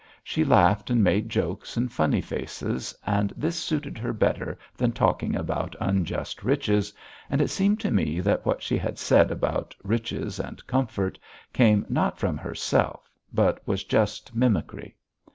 She laughed and made jokes and funny faces, and this suited her better than talking about unjust riches, and it seemed to me that what she had said about "riches and comfort" came not from herself, but was just mimicry.